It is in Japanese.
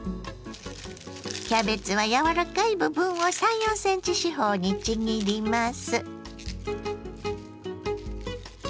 キャベツは柔らかい部分を３４ｃｍ四方にちぎります。